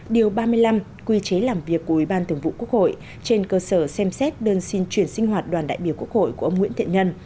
điều ba mươi năm quy chế làm việc của ủy ban thường vụ quốc hội trên cơ sở xem xét đơn xin chuyển sinh hoạt đoàn đại biểu quốc hội của ông nguyễn thiện nhân